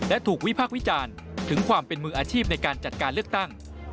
และถูกวิพากษ์วิจารณ์ถึงความเป็นมืออาชีพในการจัดการเลือกตั้ง